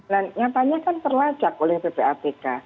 dan nyatanya kan terlacak oleh ppatk